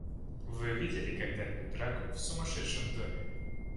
Вы видели когда-нибудь драку в сумасшедшем доме?